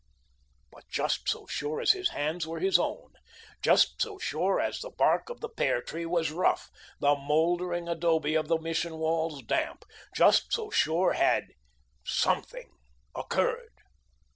But just so sure as his hands were his own, just so sure as the bark of the pear tree was rough, the mouldering adobe of the Mission walls damp just so sure had Something occurred.